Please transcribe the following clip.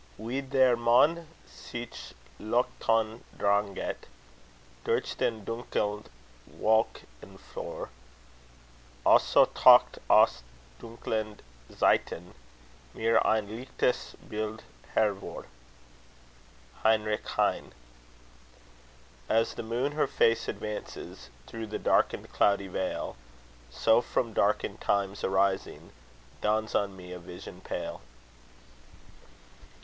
Wie der Mond sich leuchtend dranget Durch den dunkeln Wolkenflor, Also taucht aus dunkeln Zeiten Mir ein lichtes Bild hervor. HEINRICH HEINE As the moon her face advances Through the darkened cloudy veil; So, from darkened times arising, Dawns on me a vision pale.